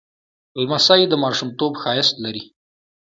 لمسی د ماشومتوب ښایست لري.